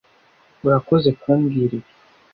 Urakoze ku mbwira ibi.